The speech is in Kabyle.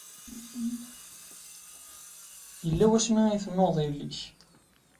Yella wasmi ay tennuɣeḍ yelli-k?